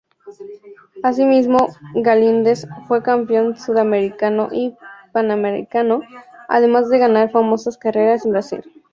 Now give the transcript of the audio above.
Asimismo Galíndez fue campeón sudamericano y panamericano, además de ganar famosas carreras en Brasil.